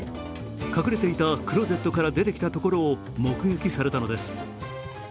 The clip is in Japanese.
隠れていたクローゼットから出てきたところを目撃されたのです。